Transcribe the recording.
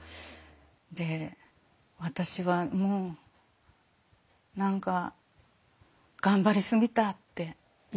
で私はもう何か頑張りすぎたって言ったんですよ。